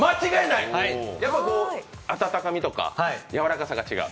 やっぱり温かみとかやわらかさが違う？